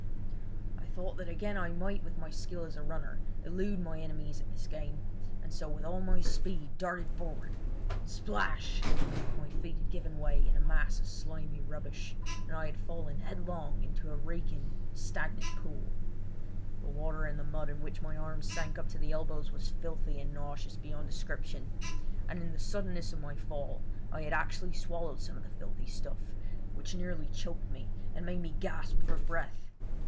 I thought that again I might with my skill as a runner elude my enemies at this game, and so with all my speed darted forward. Splash! My feet had given way in a mass of slimy rubbish, and I had fallen headlong into a reeking, stagnant pool. The water and the mud in which my arms sank up to the elbows was filthy and nauseous beyond description, and in the suddenness of my fall I had actually swallowed some of the filthy stuff, which nearly choked me, and made me gasp for breath.